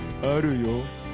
「あるよ。